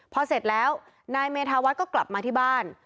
พอเสร็จแล้วนายเมธาวัฒน์ก็กลับมาที่บ้าน